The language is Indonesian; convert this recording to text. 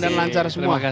semoga berjaya semua